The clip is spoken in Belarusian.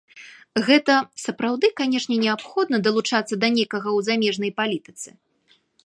Гэта, сапраўды, канечне неабходна, далучацца да некага ў замежнай палітыцы?